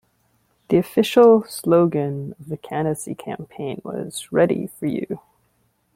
The official slogan of the candidacy campaign was, "Ready for you".